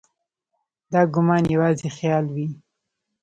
دا ګومان یوازې خیال وي.